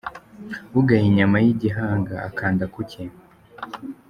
Ugaya inyama y'igihanga akanda kucye.